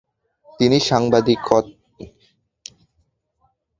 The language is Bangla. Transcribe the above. পরে সাংবাদিকদের সঙ্গে আলাপচারিতায় এ হামলার নানা বিষয় নিয়ে কথা বলেন তিনি।